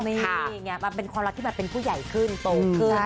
นี่ไงมันเป็นความรักที่แบบเป็นผู้ใหญ่ขึ้นโตขึ้น